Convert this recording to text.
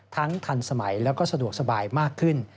ทั้งทันสมัยและสะดวกสบายมากขึ้น